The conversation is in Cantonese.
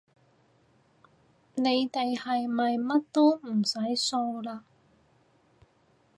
你哋係咪乜都唔使掃嘞